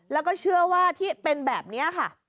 แล้วก็เชื่อว่าที่เป็นแบบนี้ค่ะ